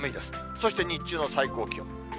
そして日中の最高気温。